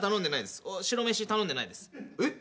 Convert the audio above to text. えっ？